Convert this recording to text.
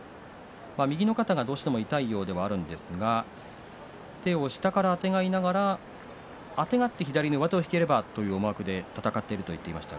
右の肩どうしても痛いようではあるんですが手を下からあてがいながらあてがって左の上手を引ければということで戦っているという話でした。